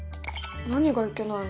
何がいけないの？